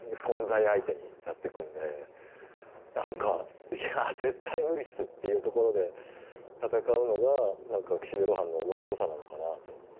相手にやってくんで何かいや絶対無理っすっていうところで戦うのが何か岸辺露伴のおもしろさなのかなと思いますけどね。